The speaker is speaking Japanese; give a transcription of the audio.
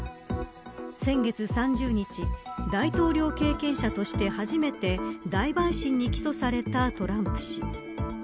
先月３０日大統領経験者として初めて大陪審に起訴されたトランプ氏。